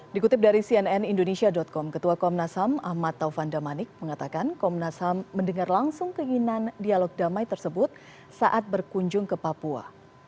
dikutip dari cnn indonesia com ketua komnas ham ahmad taufan damanik mengatakan komnas ham mendengar langsung keinginan dialog damai tersebut saat berkunjung ke papua